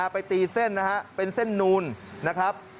ไปตีเส้นนะฮะเป็นเส้นนูนนะครับ